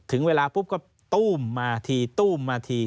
ถึงเวลาปุ๊บก็ตู้มมาทีตู้มมาที